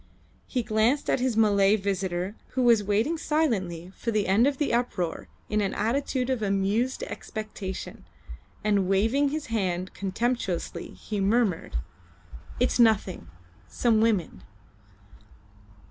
He glanced at his Malay visitor, who was waiting silently for the end of the uproar in an attitude of amused expectation, and waving his hand contemptuously he murmured "It is nothing. Some women."